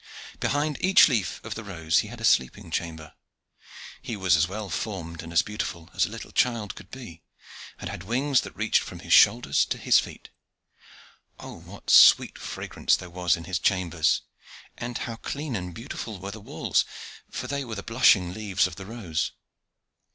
Behind each leaf of the rose he had a sleeping chamber. He was as well formed and as beautiful as a little child could be, and had wings that reached from his shoulders to his feet. Oh, what sweet fragrance there was in his chambers! and how clean and beautiful were the walls! for they were the blushing leaves of the rose.